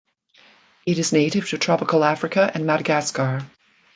It is native to tropical Africa and Madagascar.